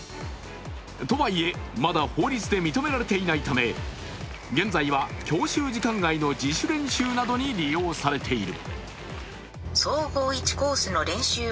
とはいえ、まだ法律で認められていないため、現在は教習時間外の自主練習などに利用されている。